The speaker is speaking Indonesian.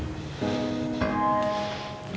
papa marah ya